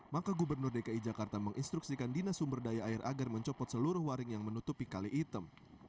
maka gubernur dki jakarta menginstruksikan dinas sumber daya air agar mencopot seluruh waring yang menutupi kali item